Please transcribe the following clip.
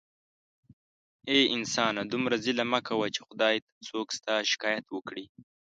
اې انسانه دومره ظلم مه کوه چې خدای ته څوک ستا شکایت وکړي